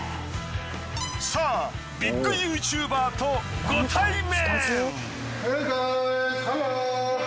さあビッグＹｏｕＴｕｂｅｒとご対面！